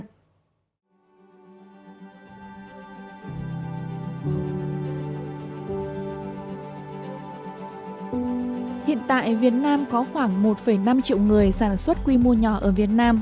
hiện tại việt nam có khoảng một năm triệu người sản xuất quy mô nhỏ ở việt nam